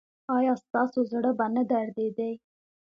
ایا ستاسو زړه به نه دریدي؟